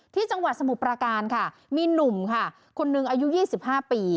ที่จังหวัดสมุปราการณ์ค่ะมีหนุ่มค่ะคนนึงอายุยี่สิบห้าปี